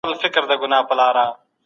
اتحاد مو د بريا راز دی.